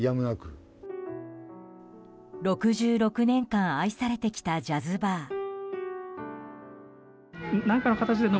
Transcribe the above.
６６年間愛されてきたジャズバー。